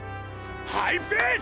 ハイペース！